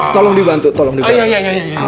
tolong dibantu tolong dibantu